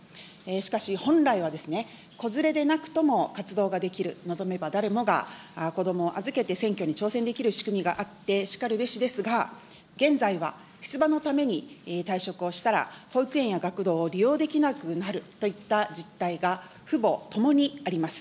しかし、本来は子連れでなくとも活動ができる、望めば誰もが子どもを預けて選挙に挑戦できる仕組みがあってしかるべしですが、現在は、出馬のために退職をしたら、保育園や学童を利用できなくなるといった実態が、父母共にあります。